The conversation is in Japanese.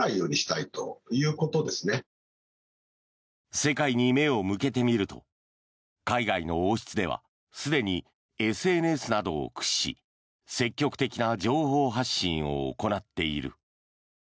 世界に目を向けてみると海外の王室ではすでにＳＮＳなどを駆使し積極的な情報発信を行っている。